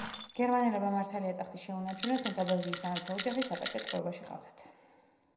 გერმანელებმა მართალია ტახტი შეუნარჩუნეს, თუმცა ბელგიის სამეფო ოჯახი საპატიო ტყვეობაში ჰყავდათ.